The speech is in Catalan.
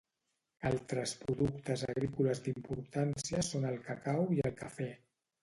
Altres productes agrícoles d'importància són el cacau i el cafè.